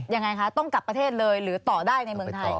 ยังไงคะต้องกลับประเทศเลยหรือต่อได้ในเมืองไทย